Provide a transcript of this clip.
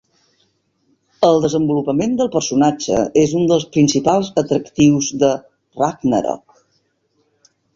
El desenvolupament del personatge és un dels principals atractius de "Ragnarok".